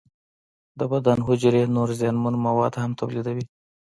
د بدن حجرې نور زیانمن مواد هم تولیدوي.